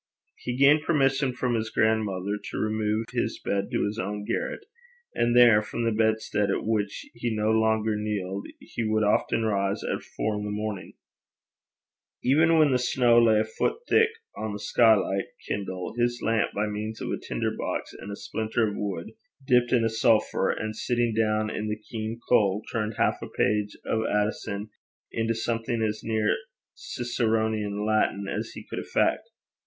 He gained permission from his grandmother to remove his bed to his own garret, and there, from the bedstead at which he no longer kneeled, he would often rise at four in the morning, even when the snow lay a foot thick on the skylight, kindle his lamp by means of a tinder box and a splinter of wood dipped in sulphur, and sitting down in the keen cold, turn half a page of Addison into something as near Ciceronian Latin as he could effect.